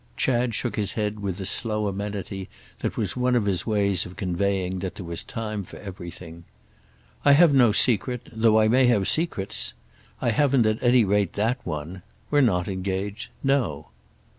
Chad shook his head with the slow amenity that was one of his ways of conveying that there was time for everything. "I have no secret—though I may have secrets! I haven't at any rate that one. We're not engaged. No."